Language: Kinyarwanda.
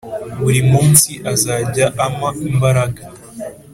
Buri munsi azajya ampa imbaraga